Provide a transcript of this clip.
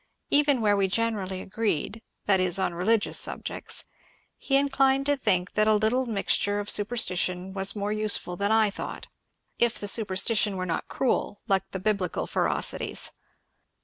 Even where we generally agreed — that is on religious subjects — he inclined to think that a lit tle admixture of superstition was more useful than I thought, — if the superstition were not cruel, like the biblical feroci ties.